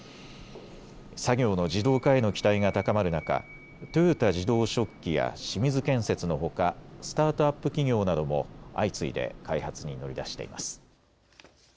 作業の自動化への期待が高まる中、豊田自動織機や清水建設のほかスタートアップ企業なども相次いで開発に乗り出しています。